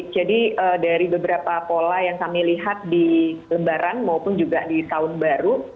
jadi dari beberapa pola yang kami lihat di lembaran maupun juga di tahun baru